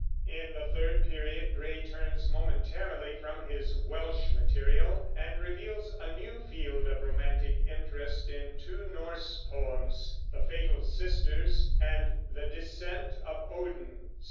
In the third period Gray turns momentarily from his Welsh material and reveals a new field of romantic interest in two Norse poems, "The Fatal Sisters" and "The Descent of Odin" (1761).